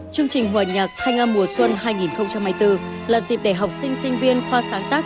chương trình hòa nhạc thanh âm mùa xuân hai nghìn hai mươi bốn là dịp để học sinh sinh viên khoa sáng tác